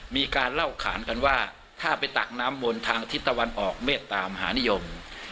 มีการเล่าขานกันว่าถ้าไปตักน้ำบนทางทิศตะวันออกเมตตามหานิยม